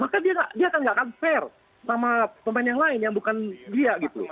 maka dia akan nggak akan fair sama pemain yang lain yang bukan dia gitu